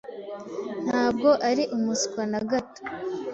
Ntabwo ari umuswa na gato.